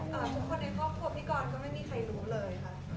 ทุกคนในครอบครัวพี่กรก็ไม่มีใครรู้เลยค่ะ